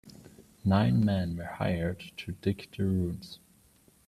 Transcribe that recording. Nine men were hired to dig the ruins.